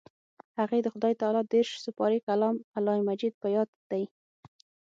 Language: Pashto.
هغې د خدای تعالی دېرش سپارې کلام الله مجيد په ياد دی.